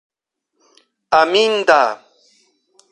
aminda